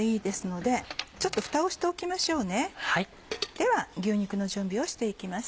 では牛肉の準備をして行きます。